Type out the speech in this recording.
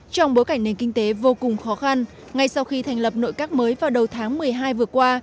trong bối cảnh nền kinh tế vô cùng khó khăn ngay sau khi thành lập nội các mới vào đầu tháng một mươi hai vừa qua